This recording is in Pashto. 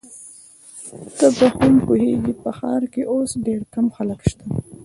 ته به هم پوهیږې، په ښار کي اوس ډېر کم خلک شته.